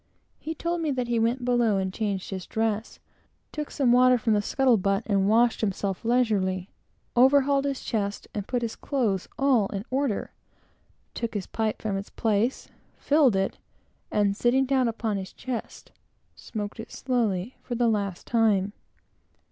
He told me that he went below and changed his dress; took some water from the scuttle butt and washed himself leisurely; overhauled his chest, and put his clothes all in order; took his pipe from its place, filled it, and sitting down upon his chest, smoked it slowly for the last time.